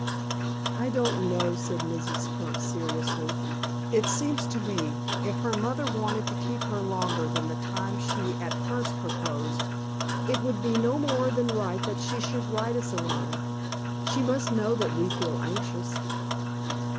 "I don't know," said Mrs. Crump, seriously. "It seems to me, if her mother wanted to keep her longer than the time she at first proposed, it would be no more than right that she should write us a line. She must know that we would feel anxious."